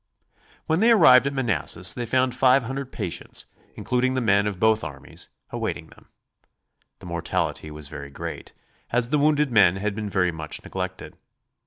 When they arrived at Manassas they found five hundred patients, including the men of both armies, awaiting them. The mortality was very great, as the wounded men had been very much neglected.